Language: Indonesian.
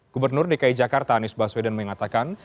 gubernur dki jakarta anies baswedan mengatakan